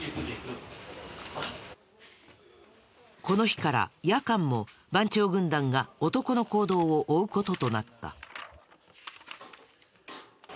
この日から夜間も番長軍団が男の行動を追う事となった。